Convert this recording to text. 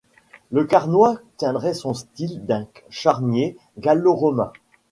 Le Carnoy tiendrait son nom d'un charnier gallo-romain.